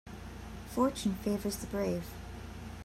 Fortune favours the brave.